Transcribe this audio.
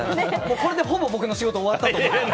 これで、ほぼ僕の仕事終わったと思ってます。